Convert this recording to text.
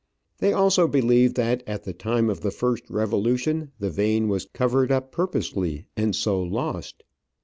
They also believe that at the time of the first revolution the vein was covered up purposely, and so lost.